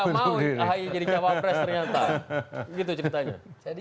ahaya jadi cawapres ternyata